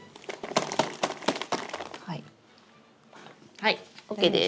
はいＯＫです。